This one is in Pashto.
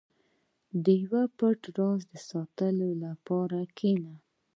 • د یو پټ راز ساتلو لپاره کښېنه.